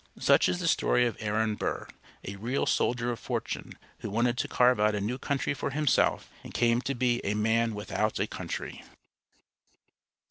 Such is the story of Aaron Burr, a real soldier of fortune, who wanted to carve out a new country for himself, and came to be "a man without a country."